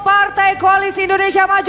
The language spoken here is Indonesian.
partai koalisi indonesia maju